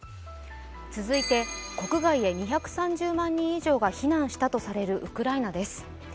国外へ２３０万人以上が避難したとされるウクライナです。